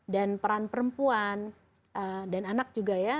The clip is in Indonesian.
dan peran perempuan dan anak juga ya